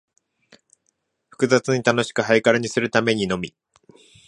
複雑に楽しく、ハイカラにするためにのみ、